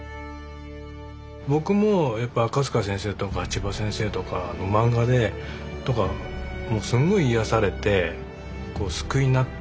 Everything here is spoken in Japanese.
僕もやっぱ赤塚先生とかちば先生とかの漫画ですごい癒やされて救いになったっていう。